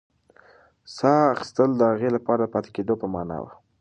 ساه اخیستل د هغې لپاره د پاتې کېدو په مانا وه.